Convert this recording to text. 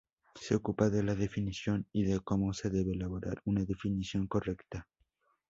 Se ocupa de la definición y de cómo se debe elaborar una definición correcta.